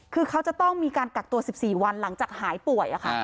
คือเขาจะต้องมีการกักตัว๑๔วันหลังจากหายป่วย